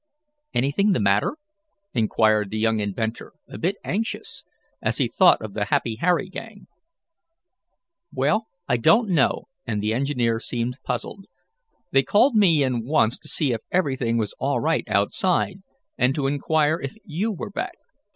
"Anything the matter?" inquired the young inventor, a bit anxious, as he thought of the Happy Harry gang. "Well, I don't know," and the engineer seemed puzzled. "They called me in once to know if everything was all right outside, and to inquire if you were back.